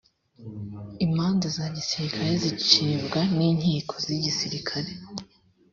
imanza zagisirikare zicibwa ninkiko za gisirikare